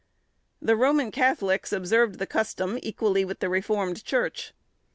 The Roman Catholics observed the custom equally with the Reformed church.